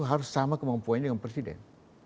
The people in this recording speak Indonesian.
harus sama kemampuannya dengan presiden